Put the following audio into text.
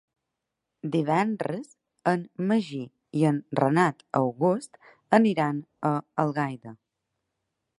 Divendres en Magí i en Renat August aniran a Algaida.